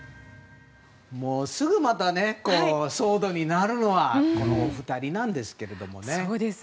すぐまた騒動になるのはこのお二人なんですけどね。